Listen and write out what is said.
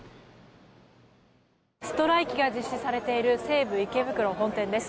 ストライキが実施されている西武池袋本店です。